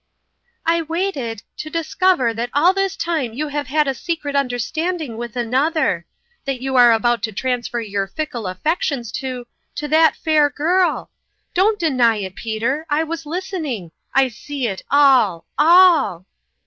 " I waited to discover that all this time you have had a secret understanding with another ; that you are about to transfer your fickle affec tions to to that fair girl ! Don't deny it, Peter ! I was listening. I see it all all